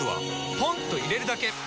ポンと入れるだけ！